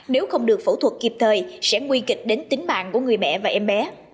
nếu không được phẫu thuật kịp thời sẽ nguy kịch đến tính mạng của người mẹ và em bé